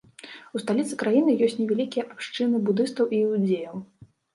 У сталіцы краіны ёсць невялікія абшчыны будыстаў і іўдзеяў.